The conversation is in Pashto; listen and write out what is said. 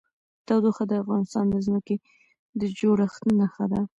تودوخه د افغانستان د ځمکې د جوړښت نښه ده.